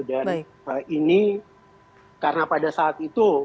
dan ini karena pada saat itu